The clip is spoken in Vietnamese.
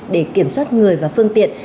để kiểm soát người và phương tiện